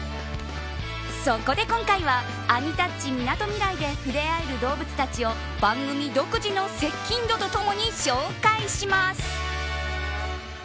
そこで今回はアニタッチみなとみらいで触れ合える動物たちを番組独自の接近度とともに紹介します。